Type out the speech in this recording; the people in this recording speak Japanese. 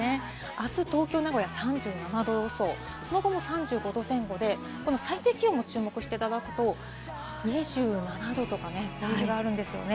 あす東京、名古屋３７度予想、その後も３５度前後で、最低気温も注目していただくと、２７度とかね、数字上がるんですよね。